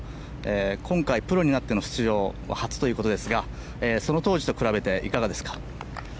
今回、プロになっての出場が初ということですがその当時と比べていかがですか？